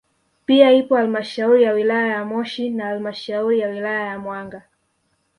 Pia ipo halmashauri ya wilaya ya Moshi na halmashauri ya wilaya ya Mwanga